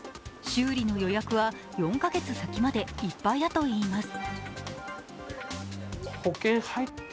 修理の予約は４カ月先までいっぱいだといいます。